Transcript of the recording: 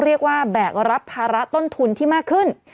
เรียกว่าแบกรับภาระต้นทุนที่มากขึ้น